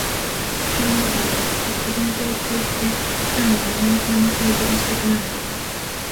なんでだろう、テスト勉強中って普段やらない部屋の掃除がしたくなる。